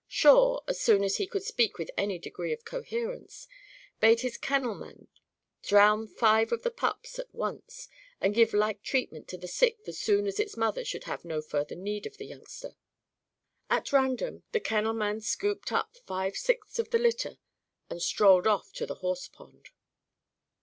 Shawe, as soon as he could speak with any degree of coherence, bade his kennelman drown five of the pups at once, and to give like treatment to the sixth as soon as its mother should have no further need of the youngster. At random the kennelman scooped up five sixths of the litter and strolled off to the horse pond.